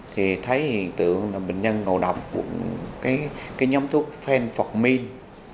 thì thấy hiện tượng là bệnh nhân ngộ độc của nhóm thuốc phenpharmine